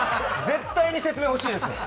絶対に説明ほしいですよ！